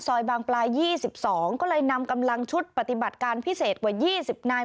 บางปลาย๒๒ก็เลยนำกำลังชุดปฏิบัติการพิเศษกว่า๒๐นาย